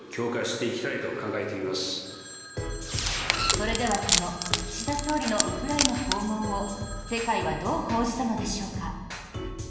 それではこの岸田総理のウクライナ訪問を世界はどう報じたのでしょうか。